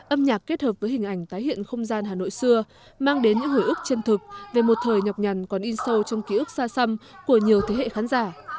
âm nhạc kết hợp với hình ảnh tái hiện không gian hà nội xưa mang đến những hồi ức chân thực về một thời nhọc nhằn còn in sâu trong ký ức xa xâm của nhiều thế hệ khán giả